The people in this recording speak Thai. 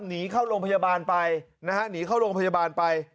หนีเข้าโรงพยาบาลไปนะฮะหนีเข้าโรงพยาบาลไป